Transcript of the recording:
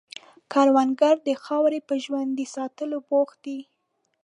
کروندګر د خاورې په ژوندي ساتلو بوخت دی